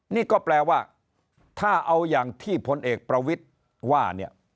นี่ก็แปลว่าถ้าเอาอย่างที่พลเอกประวิทย์ว่าเนี่ย